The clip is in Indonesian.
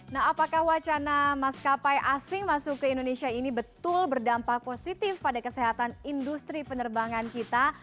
nah apakah wacana maskapai asing masuk ke indonesia ini betul berdampak positif pada kesehatan industri penerbangan kita